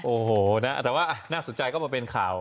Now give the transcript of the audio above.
โอ้โหนะแต่ว่าน่าสนใจก็มาเป็นข่าว